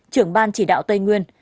trưởng ban chỉ đạo tây nguyên